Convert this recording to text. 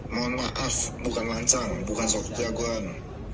mohon maaf bukan lancang bukan suatu jagoan